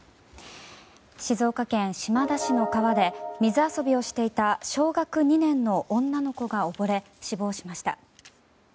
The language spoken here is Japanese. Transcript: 静岡県島田市の川で水遊びをしていた小学２年の女の子が溺れ死亡しました。